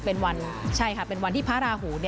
เป็นวันใช่ค่ะเป็นวันที่พระราหู